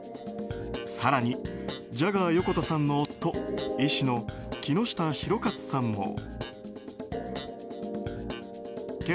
更に、ジャガー横田さんの夫医師の木下博勝さんも。